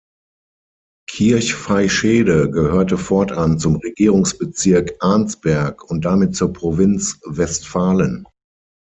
Kirchveischede gehörte fortan zum Regierungsbezirk Arnsberg und damit zur Provinz Westfalen.